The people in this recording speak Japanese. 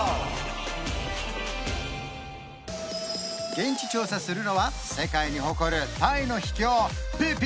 現地調査するのは世界に誇るタイの秘境ピピ